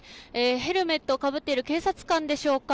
ヘルメットをかぶっている警察官でしょうか。